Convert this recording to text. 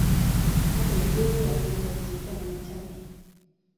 Aberberi anende chito ne machame